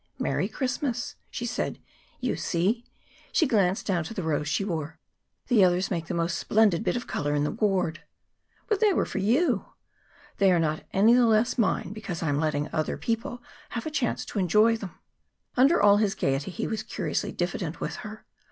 "Merry Christmas!" she said. "You see!" she glanced down to the rose she wore. "The others make the most splendid bit of color in the ward." "But they were for you!" "They are not any the less mine because I am letting other people have a chance to enjoy them." Under all his gayety he was curiously diffident with her.